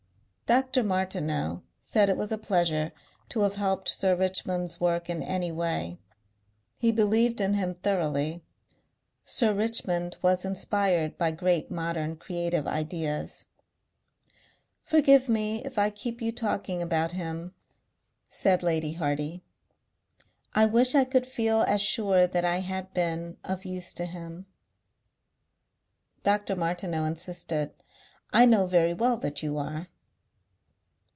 Dr. Martineau said it was a pleasure to have helped Sir Richmond's work in any way. He believed in him thoroughly. Sir Richmond was inspired by great modern creative ideas. "Forgive me if I keep you talking about him," said Lady Hardy. "I wish I could feel as sure that I had been of use to him." Dr. Martineau insisted. "I know very well that you are."